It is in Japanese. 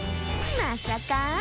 まさかあ！